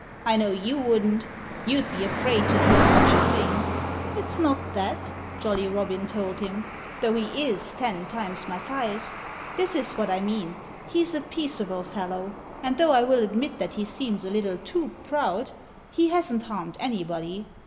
"I know you wouldn't. You'd be afraid to do such a thing." "It's not that," Jolly Robin told him, "though he is ten times my size. This is what I mean: He's a peaceable fellow. And though I will admit that he seems a little too proud, he hasn't harmed anybody.